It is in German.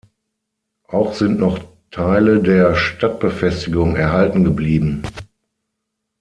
Auch sind noch Teile der Stadtbefestigung erhalten geblieben.